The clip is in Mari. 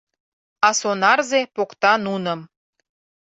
А сонарзе покта нуным